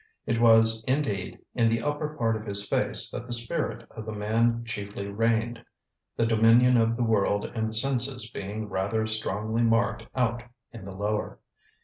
It was, indeed, in the upper part of his face that the spirit of the man chiefly reigned; the dominion of the world and the senses being rather strongly marked out in the lower.